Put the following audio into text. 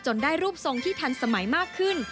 ได้รูปทรงที่ทันสมัยมากขึ้น